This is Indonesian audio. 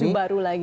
isu baru lagi ya